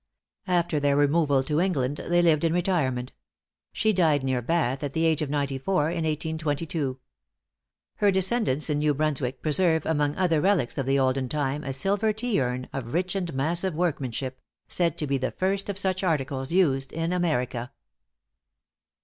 After their removal to England, they lived in retirement. She died near Bath, at the age of ninety four, in 1822. Her descendants in New Brunswick preserve, among other relics of the olden time, a silver tea urn, of rich and massive workmanship, said to be the first of such articles used in America.